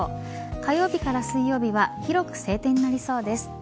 火曜日から水曜日は広く晴天になりそうです。